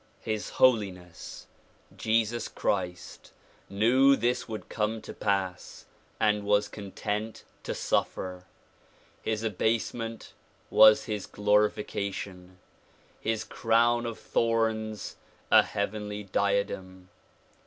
His Holiness Jesus Christ knew this would come to pass and was content to suffer. His abasement was his glorification; his crown of thorns a heavenly diadem.